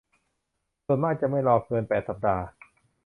ส่วนมากจะไม่รอเกิน แปด สัปดาห์